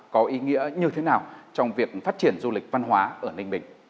có ý nghĩa như thế nào trong việc phát triển du lịch văn hóa ở ninh bình